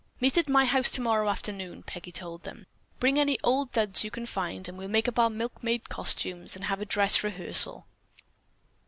"Meet at my house tomorrow afternoon." Peggy told them. "Bring any old duds you can find; we'll make up our milkmaid costumes and have a dress rehearsal."